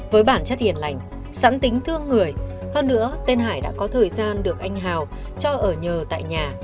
với bản chất hiền lành sáng tính thương người hơn nữa tên hải đã có thời gian được anh hào cho ở nhờ tại nhà